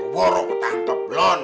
borok ketangkep blon